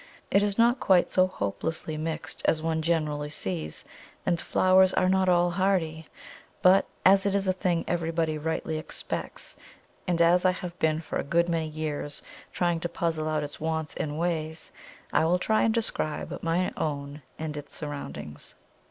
It is not quite so hopelessly mixed as one generally sees, and the flowers are not all hardy; but as it is a thing everybody rightly expects, and as I have been for a good many years trying to puzzle out its wants and ways, I will try and describe my own and its surroundings.